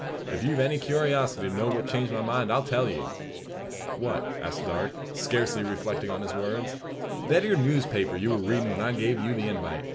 If you've any curiosity to know what changed my mind, I'll tell ye." "What?" asks Darke, scarcely reflecting on his words. "That ere newspaper you war readin' when I gave you the invite.